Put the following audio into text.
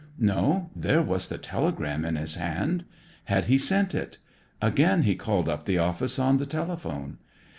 No, there was the telegram in his hand! Had he sent it? Again he called up the office on the telephone.